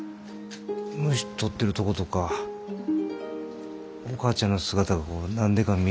虫捕ってるとことかお母ちゃんの姿が何でか見えるいうか。